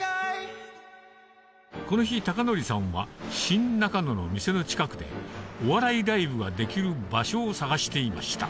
この日孝法さんは新中野の店の近くでお笑いライブができる場所を探していました